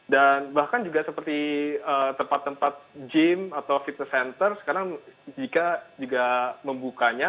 dan bahkan juga seperti tempat tempat gym atau fitness center sekarang juga membukanya